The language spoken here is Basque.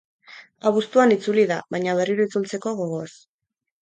Abuztuan itzuli da, baina berriro itzultzeko gogoz.